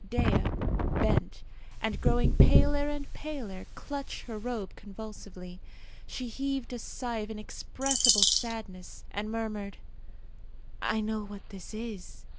Dea, bent, and growing paler and paler, clutched her robe convulsively. She heaved a sigh of inexpressible sadness, and murmured, "I know what this is.